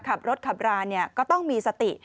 ขับรถขับราก็ต้องมีสติ